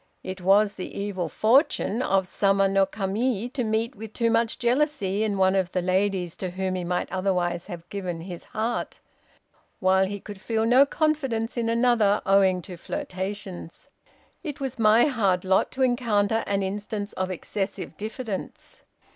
It was the evil fortune of Sama no Kami to meet with too much jealousy in one of the ladies to whom he might otherwise have given his heart; while he could feel no confidence in another owing to flirtations. It was my hard lot to encounter an instance of excessive diffidence.